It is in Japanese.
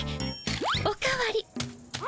お代わり。